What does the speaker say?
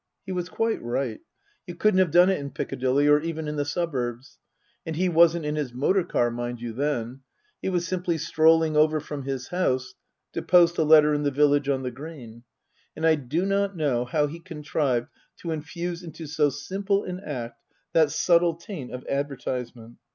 He was quite right. You couldn't have done it in Piccadilly, or even in the suburbs. And he wasn't in his motor car, mind you, then ; he was simply strolling over from his house to post a letter in the village on the green, and I do not know how he contrived to infuse into so simple an act that subtle taint of advertisement.